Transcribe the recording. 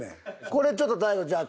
これちょっと大悟じゃあ